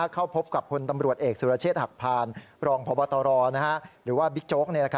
เข้าพบกับพลตำรวจเอกสุรเชษฐหักพานรองพบตรหรือว่าบิ๊กโจ๊ก